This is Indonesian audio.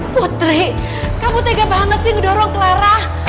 putri kamu tega banget sih ngedorong clara